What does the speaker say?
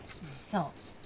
そう。